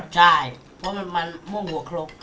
ใช่เพราะมันมั่วหัวครบ